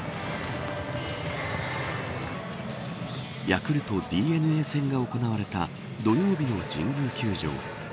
ヤクルトＤｅＮＡ戦が行われた土曜日の神宮球場。